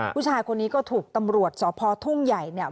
ผู้ชายคนนี้ก็ถูกตำรวจสพทุ่งใหญ่เนี่ย